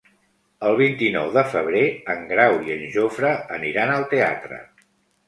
El vint-i-nou de febrer en Grau i en Jofre aniran al teatre.